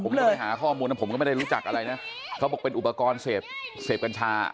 ผมจะไปหาข้อมูลนะผมก็ไม่ได้รู้จักอะไรนะเขาบอกเป็นอุปกรณ์เสพกัญชา